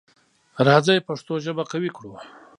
راځی پښتو ژبه قوي کړو.